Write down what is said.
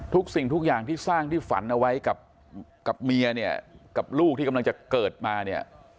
สิ่งทุกอย่างที่สร้างที่ฝันเอาไว้กับเมียเนี่ยกับลูกที่กำลังจะเกิดมาเนี่ย